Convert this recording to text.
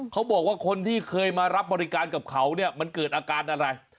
เขาบอกว่าคนที่เคยมารับบริการกับเขาเนี่ยมันเกิดอาการอะไร